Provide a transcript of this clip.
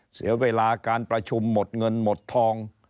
เสียเวลาการประชุมหมดเงินหมดทอง